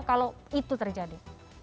kalau itu terjadi